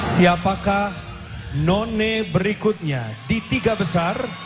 siapakah none berikutnya di tiga besar